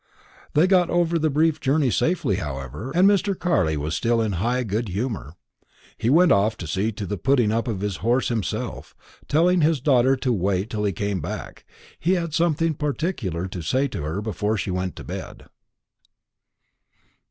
They got over the brief journey safely, however, and Mr. Carley was still in high good humour. He went off to see to the putting up of his horse himself, telling his daughter to wait till he came back, he had something particular to say to her before she went to bed.